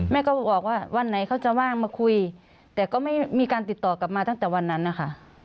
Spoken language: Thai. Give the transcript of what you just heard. แม่ก็บอกว่าวันไหนเขาจะว่างมาคุยแต่ก็ไม่มีการติดต่อกลับมาตั้งแต่วันนั้นนะคะ